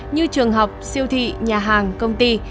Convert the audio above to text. như trường học siêu thị nhà hàng công ty